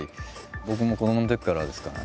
僕も子どものときからですからね。